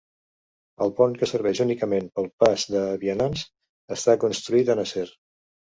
El pont, que serveix únicament pel pas de vianants, està construït en acer.